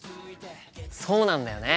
そうなんだよね。